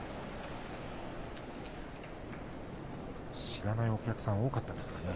知らないお客さんが多かったんですかね。